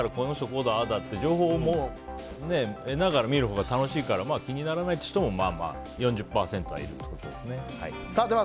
こうだって情報も得ながら見るほうが楽しいから、気にならない人も４０％はいるということですね。